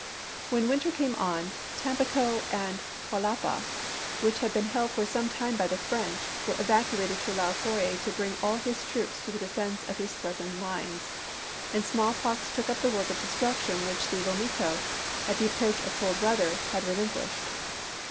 When winter came on, Tampico and Jalapa, which had been held for some time by the French, were evacuated to allow Forey to bring all his troops to the defense of his threatened lines, and small pox took up the work of destruction which the vomito, at the approach of cold weather, had relinquished.